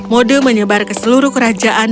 mode menyebar ke seluruh kerajaan